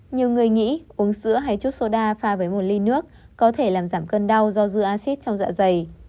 nhiều người nghĩ uống sữa hay chút soda pha với nguồn ly nước có thể làm giảm cân đau do dư acid trong dạ dày